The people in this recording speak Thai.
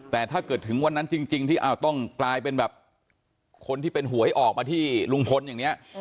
แต่ถ้าเกิดถึงวันนั้นจริงที่ต้องกลายเป็นแบบคนที่เป็นหวยออกมาที่ลุงพลอย่างนี้